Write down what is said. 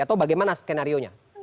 atau bagaimana skenario nya